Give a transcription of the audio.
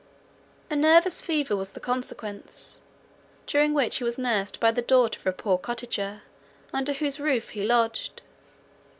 A nervous fever was the consequence; during which he was nursed by the daughter of a poor cottager, under whose roof he lodged.